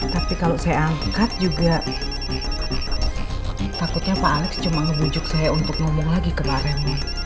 tapi kalau saya angkat juga takutnya pak alex cuma ngebujuk saya untuk ngomong lagi kemarin